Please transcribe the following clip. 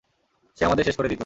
সে আমাদের শেষ করে দিত।